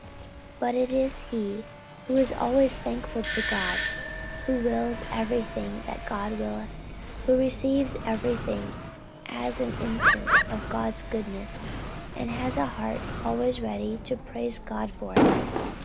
But it is he who is always thankful to God, who wills everything that God willeth, who receives everything as an instance of God's goodness, and has a heart always ready to praise God for it.